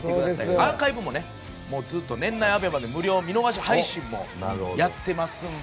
アーカイブも年内ＡＢＥＭＡで無料見逃し配信もやってますんで。